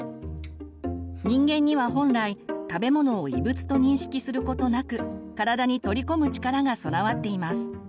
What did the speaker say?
人間には本来食べ物を異物と認識することなく体に取り込む力が備わっています。